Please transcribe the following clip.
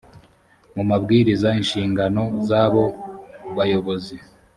mu mabwiriza inshingano z abo bayobozi